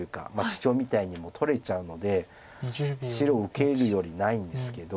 シチョウみたいにもう取れちゃうので白受けるよりないんですけど。